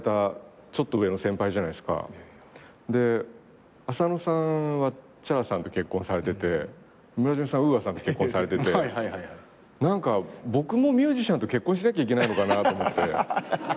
で浅野さんはＣｈａｒａさんと結婚されててムラジュンさんＵＡさんと結婚されてて何か僕もミュージシャンと結婚しなきゃいけないのかなと思って。